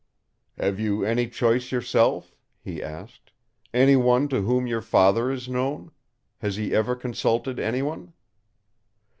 "Have you any choice yourself?" he asked. "Any one to whom your Father is known? Has he ever consulted any one?"